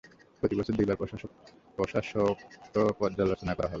প্রতি বছর দুইবার প্রশাসকত্ব পর্যালোচনা করা হবে।